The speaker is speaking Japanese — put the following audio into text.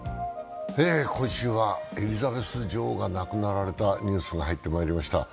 今週はエリザベス女王が亡くなられたニュースが入ってまいりました。